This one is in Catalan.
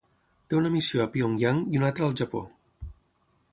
Té una missió a Pyongyang i una altra al Japó.